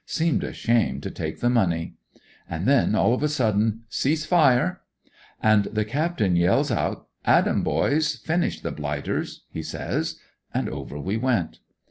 Seemed a shame to take the money. And then, all of a sudden, * Cease fire !' And the Captain yells out, * At 'em, boysl Finish the blighters!' he says. And over we went.